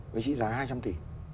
với trị giá hai trăm linh tỷ